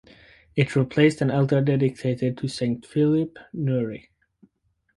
It replaced an altar dedicated to St Phillip Neri.